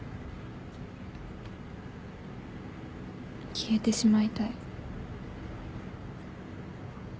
消えてしまいたい。